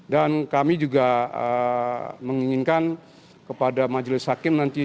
kami juga menginginkan kepada majelis hakim nanti